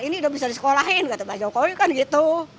ini udah bisa disekolahin kata pak jokowi kan gitu